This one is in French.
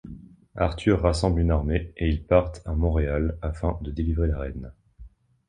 Arthur rassemble une armée, et ils partent à Monreale afin de délivrer la reine.